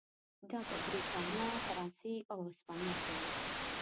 دا په برېټانیا، فرانسې او هسپانیا کې و.